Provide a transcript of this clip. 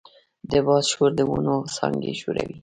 د باد شور د ونو څانګې ښوروي.